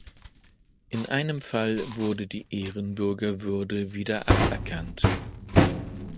In einem Fall wurde die Ehrenbürgerwürde wieder aberkannt.